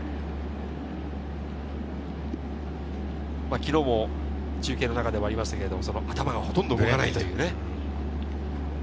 昨日も中継の中ではありましたが、頭がほとんど動かないというね。